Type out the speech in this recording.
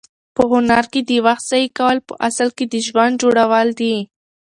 په هنر کې د وخت ضایع کول په اصل کې د ژوند جوړول دي.